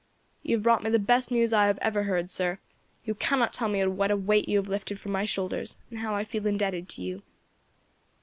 ] "You have brought me the best news I have ever heard, sir; you cannot tell what a weight you have lifted from my shoulders, and how I feel indebted to you."